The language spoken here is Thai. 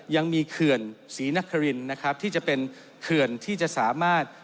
ยังมีเขื่อนศรีนครินทร์ที่จะเป็นเขื่อนที่จะสามารถ